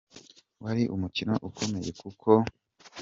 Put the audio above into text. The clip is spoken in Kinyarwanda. Wari umukino ukomeye kuko